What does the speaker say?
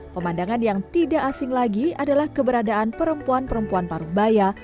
pemandangan yang tidak asing lagi adalah keberadaan perempuan perempuan paruh baya